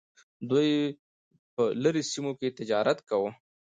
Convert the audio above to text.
دوی په لرې سیمو کې تجارت کاوه